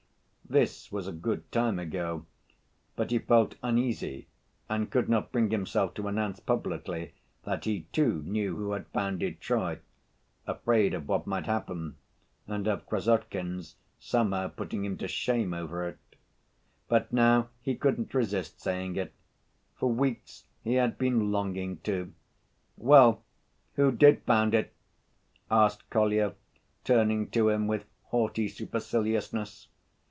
This was a good time ago, but he felt uneasy and could not bring himself to announce publicly that he too knew who had founded Troy, afraid of what might happen and of Krassotkin's somehow putting him to shame over it. But now he couldn't resist saying it. For weeks he had been longing to. "Well, who did found it?" asked Kolya, turning to him with haughty superciliousness.